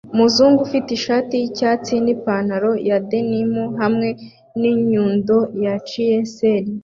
Umuzungu ufite ishati yicyatsi nipantaro ya denim hamwe ninyundo na chisel